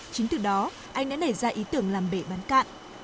chính từ đó anh đã nảy ra ý tưởng làm bể bán cạn